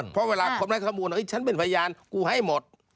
เพราะเวลาคนได้ข้อมูลว่าฉันเป็นพยานกูให้หมด